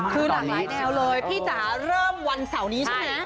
คือหลากหลายแนวเลยพี่จ๋าเริ่มวันเสาร์นี้ใช่ไหม